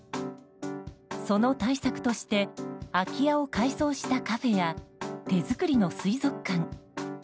その対策として空き家を改装したカフェや手作りの水族館。